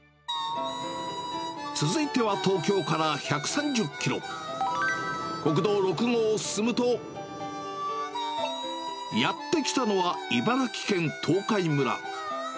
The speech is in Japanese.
続いては東京から１３０キロ、国道６号を進むと、やって来たのは茨城県東海村。